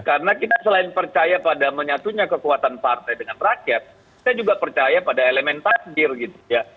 karena kita selain percaya pada menyatunya kekuatan partai dengan rakyat kita juga percaya pada elemen takdir gitu ya